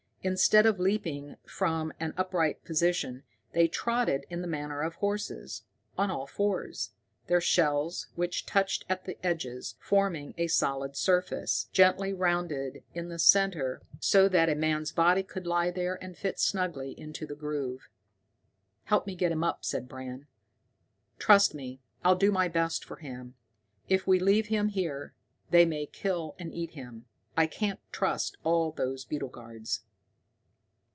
Instead of leaping from an upright position, they trotted in the manner of horses, on all fours, their shells, which touched at the edges, forming a solid surface, gently rounded in the center so that a man's body could lie there and fit snugly into the groove. "Help me get him up," said Bram. "Trust me! I'll do my best for him. If we leave him here they may kill and eat him. I can't trust all those beetle guards."